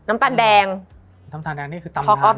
มันทำให้ชีวิตผู้มันไปไม่รอด